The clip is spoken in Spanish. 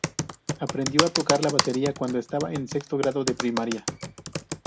Aprendió a tocar la batería cuando estaba en sexto grado de primaria.